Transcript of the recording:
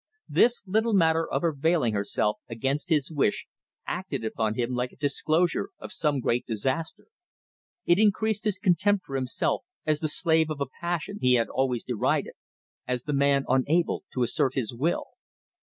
This little matter of her veiling herself against his wish acted upon him like a disclosure of some great disaster. It increased his contempt for himself as the slave of a passion he had always derided, as the man unable to assert his will.